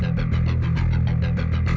terus didatengin aiwan sama didu